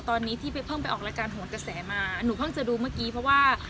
ตอนนี้ที่ไปเพิ่งไปออกรายการโหนกระแสมาหนูเพิ่งจะดูเมื่อกี้เพราะว่า